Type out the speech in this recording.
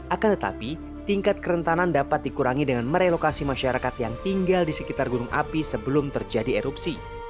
akan tetapi tingkat kerentanan dapat dikurangi dengan merelokasi masyarakat yang tinggal di sekitar gunung api sebelum terjadi erupsi